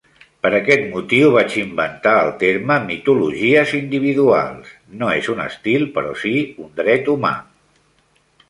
Per aquest motiu vaig inventar el terme, "mitologies individuals", no és un estil però sí un dret humà.